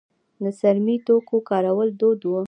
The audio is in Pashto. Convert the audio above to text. د څرمي توکو کارول دود و